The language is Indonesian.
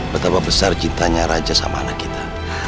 betapa besar cintanya raja sama anak kita